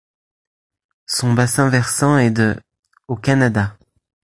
Son bassin versant est de au Canada.